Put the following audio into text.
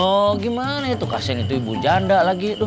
oh gimana itu kasihan itu ibu janda lagi tuh